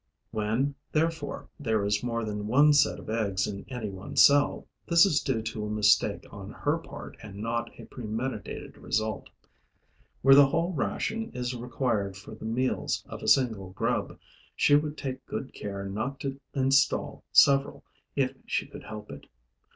When, therefore, there is more than one set of eggs in any one cell, this is due to a mistake on her part and not a premeditated result. Where the whole ration is required for the meals of a single grub, she would take good care not to install several if she could help it.